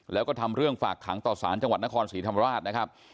แล้วก็ทำเรื่องฝากขังต่อสารจังหวัดนครศรีธรรมราชนะครับ